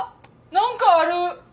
何かある。